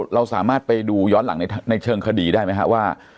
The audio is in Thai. เราสามารถไปดูย้อนหลังในเชิงคดีได้ไหมครับว่า